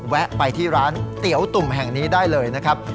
แวะไปที่ร้านเตี๋ยวตุ่มแห่งนี้ได้เลยนะครับ